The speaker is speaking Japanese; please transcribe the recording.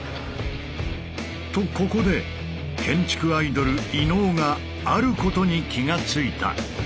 とここで建築アイドル伊野尾が「あること」に気が付いた。